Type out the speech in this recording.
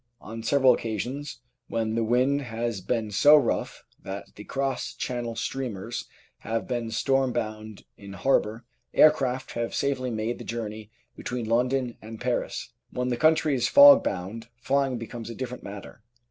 On several occasions when the wind has been so rough that the cross Channel steamers have been storm bound in harbour, aircraft have safely made the journey between London and Paris. When the country is fog bound flying becomes a different matter.